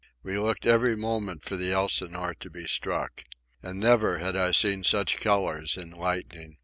We looked every moment for the Elsinore to be struck. And never had I seen such colours in lightning.